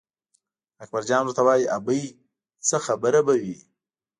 اکبرجان ورته وایي ابۍ څه خبره به وي.